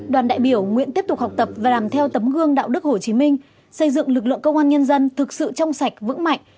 đoàn đại biểu nguyện tiếp tục học tập và làm theo tấm gương đạo đức hồ chí minh xây dựng lực lượng công an nhân dân thực sự trong sạch vững mạnh